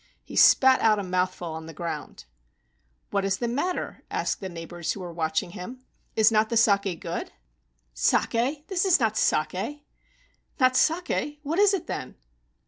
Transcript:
He spat out a mouthful on the ground. "What is the matter?" asked the neighbors who were watching him. " Is not the saki good?" iS5 THE ENCHANTED WATERFALL "Saki! This is not saki." " Not saki! What is it, then